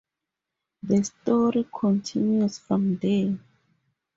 The story continues from there.